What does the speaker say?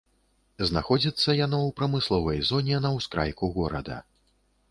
Знаходзіцца яно ў прамысловай зоне на ўскрайку горада.